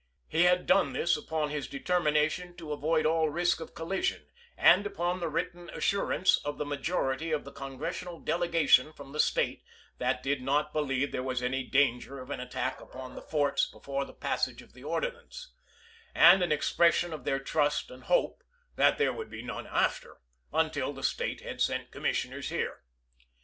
He had done this upon his determination to avoid all risk of collision, and upon the written assurance of the majority of the Con gressional Delegation from the State that they did not believe there was any danger of an attack upon the forts before the passage of the Ordinance, and an expression of their trust and hope that there would be none after, until the State had sent commissioners here.